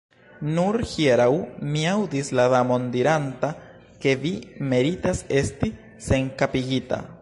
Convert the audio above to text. "Nur hieraŭ mi aŭdis la Damon diranta ke vi meritas esti senkapigita."